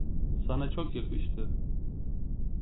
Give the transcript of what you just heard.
Sana çok yakıştı.